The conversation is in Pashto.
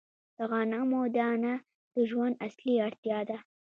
د غنمو دانه د ژوند اصلي اړتیا ده.